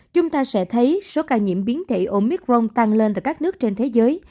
chúng ta sẽ thấy số ca nhiễm biến thể omicron tăng lên tại các nước trên thế giới